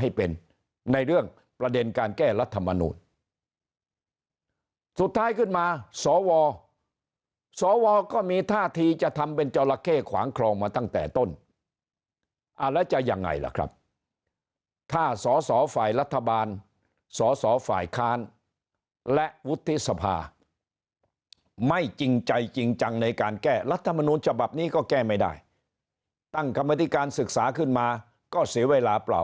ให้เป็นในเรื่องประเด็นการแก้รัฐมนูลสุดท้ายขึ้นมาสวสวก็มีท่าทีจะทำเป็นจราเข้ขวางคลองมาตั้งแต่ต้นแล้วจะยังไงล่ะครับถ้าสอสอฝ่ายรัฐบาลสอสอฝ่ายค้านและวุฒิสภาไม่จริงใจจริงจังในการแก้รัฐมนูลฉบับนี้ก็แก้ไม่ได้ตั้งกรรมธิการศึกษาขึ้นมาก็เสียเวลาเปล่า